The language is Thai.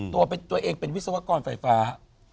ตัวเองเป็นวิศวกรไฟฟ้า